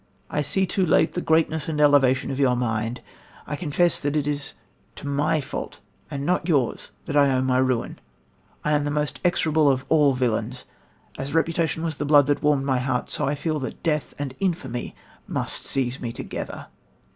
I see too late the greatness and elevation of your mind. I confess that it is to my fault and not yours that I owe my ruin ... I am the most execrable of all villains... As reputation was the blood that warmed my heart, so I feel that death and infamy must seize me together."